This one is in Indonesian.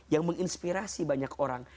yang menginspirasi banyak orang